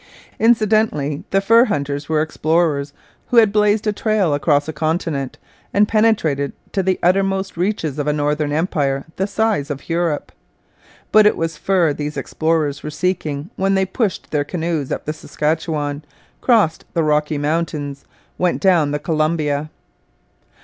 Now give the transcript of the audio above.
Incidentally, the fur hunters were explorers who had blazed a trail across a continent and penetrated to the uttermost reaches of a northern empire the size of Europe. But it was fur these explorers were seeking when they pushed their canoes up the Saskatchewan, crossed the Rocky Mountains, went down the Columbia.